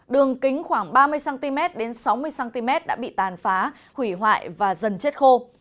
đường kính khoảng ba mươi cm đến sáu mươi cm đã bị tàn phá hủy hoại và dần chết khô